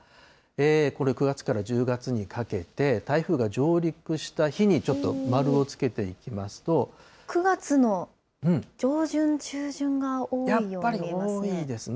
これ、９月から１０月にかけて、台風が上陸した日にちょっと、丸９月の上旬、やっぱり多いですね。